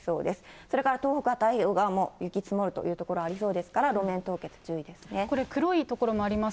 それから東北は太平洋側も雪積もるという所ありそうですから、路これ、黒い所もあります